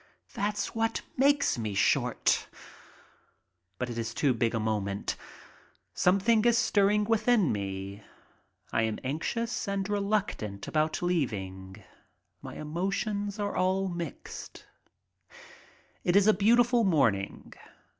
That's what makes me short. But it is too big a moment. Something is stirring within me. I am anxious and reluctant about leaving. My emo tions are all mixed. OFF TO EUROPE 21 It is a beautiful morning.